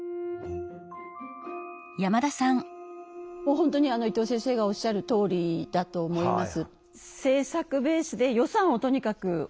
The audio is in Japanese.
本当に伊藤先生がおっしゃるとおりだと思います。